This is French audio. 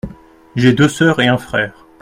J’ai deux sœurs et un frère.